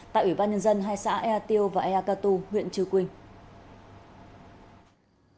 tại ủy ban nhân dân hai xã ea tiêu và ea cà tu huyện chư quỳnh